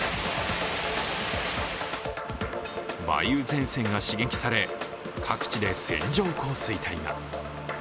梅雨前線が刺激され、各地で線状降水帯が。